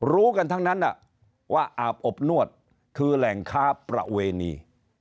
รู้กันทั้งนั้นว่าอาบอบนวดคือแหล่งค้าประเวณี